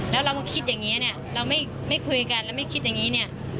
แล้วเรามาคิดอย่างนี้เนี่ยเราไม่คุยกันแล้วไม่คิดอย่างนี้เนี่ย